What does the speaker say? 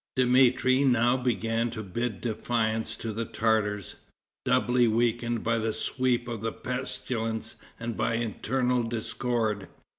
] Dmitri now began to bid defiance to the Tartars, doubly weakened by the sweep of the pestilence and by internal discord.